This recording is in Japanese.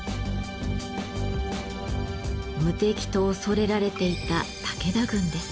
「無敵」と恐れられていた武田軍です。